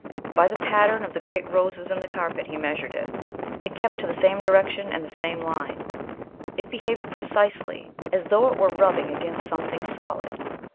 By the pattern of the great roses in the carpet he measured it. It kept to the same direction and the same line. It behaved precisely as though it were rubbing against something solid.